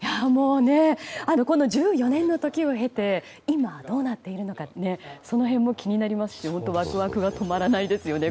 この１４年の時を経て今どうなっているのかその辺も気になりますしワクワクが止まらないですよね。